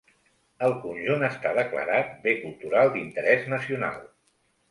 El conjunt està declarat Bé Cultural d'Interès Nacional.